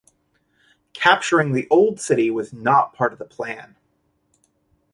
Capturing the Old City was not part of the plan.